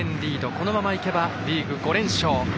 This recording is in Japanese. このままいけばリーグ５連勝。